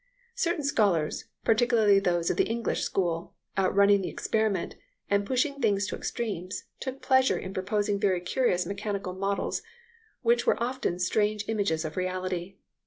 Certain scholars particularly those of the English School outrunning experiment, and pushing things to extremes, took pleasure in proposing very curious mechanical models which were often strange images of reality.